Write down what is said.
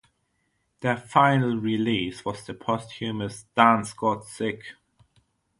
Their final release was the posthumous Dance Got Sick!